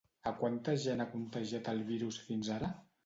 A quanta gent ha contagiat el virus fins ara?